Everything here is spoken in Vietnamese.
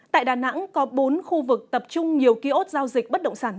tại đà nẵng có bốn khu vực tập trung nhiều ký ốt giao dịch bất động sản